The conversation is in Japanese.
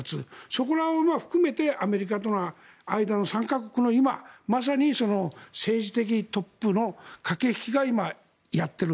そこらを含めてアメリカとの間の３か国の今まさに政治的トップの駆け引きが今、やっている。